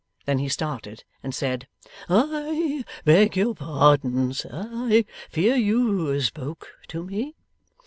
Then he started, and said: 'I beg your pardon, sir. I fear you spoke to me?